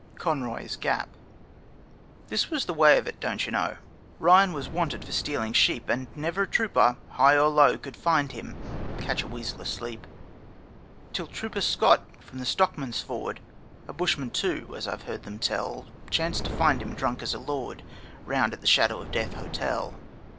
Conroy's Gap This was the way of it, don't you know Ryan was 'wanted' for stealing sheep, And never a trooper, high or low, Could find him catch a weasel asleep! Till Trooper Scott, from the Stockman's Ford A bushman, too, as I've heard them tell Chanced to find him drunk as a lord Round at the Shadow of Death Hotel.